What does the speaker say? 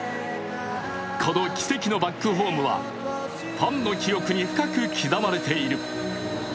この奇跡のバックホームはファンの記憶に深く刻まれている。